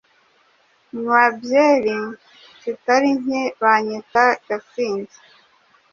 Nywa biere zitari nke banyita Gasinzi